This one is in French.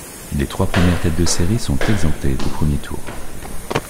Les trois premières têtes de série sont exemptées de premier tour.